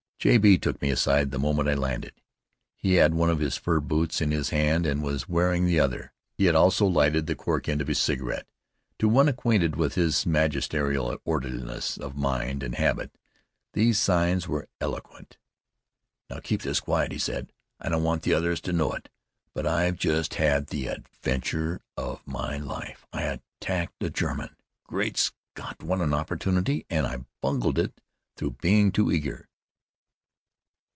J. B. took me aside the moment I landed. He had one of his fur boots in his hand and was wearing the other. He had also lighted the cork end of his cigarette. To one acquainted with his magisterial orderliness of mind and habit, these signs were eloquent. "Now, keep this quiet!" he said. "I don't want the others to know it, but I've just had the adventure of my life. I attacked a German. Great Scott! what an opportunity! and I bungled it through being too eager!"